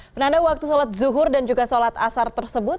penanda waktu sholat zuhur dan juga sholat asar tersebut